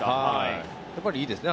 やっぱりいいですね。